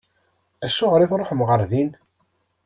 Acuɣer i tṛuḥem ɣer din?